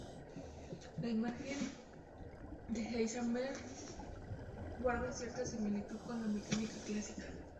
La imagen de Heisenberg guarda cierta similitud con la mecánica clásica.